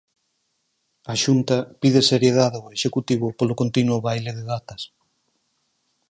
A Xunta pide seriedade ao Executivo polo continuo baile de datas.